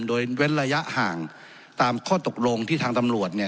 โดยเว้นระยะห่างตามข้อตกลงที่ทางตำรวจ